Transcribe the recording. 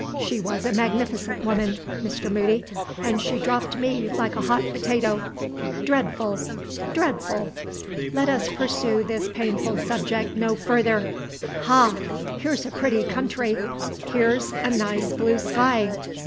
She was a magnificent woman, Mr. Moody, and she dropped me like a hot potato. Dreadful! dreadful! Let us pursue this painful subject no further. Ha! here's a pretty country! Here's a nice blue sky!